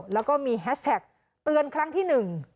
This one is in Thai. แล้วก็มีแฮชแท็กเตือนครั้งที่หนึ่ง